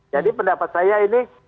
jadi pendapat saya ini